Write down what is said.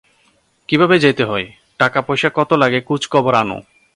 কীভাবে যেতে হয়, টাকাপয়সা কত লাগে খোঁজখবর আন।